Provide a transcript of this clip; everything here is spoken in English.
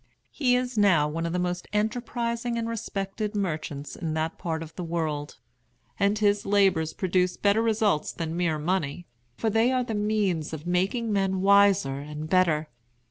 He is now one of the most enterprising and respected merchants in that part of the world; and his labors produce better results than mere money, for they are the means of making men wiser and better.